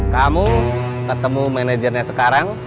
kamu ketemu manajernya sekarang